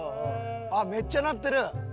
あっめっちゃなってる！